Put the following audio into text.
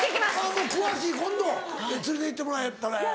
もう詳しい今度連れていってもらえたら。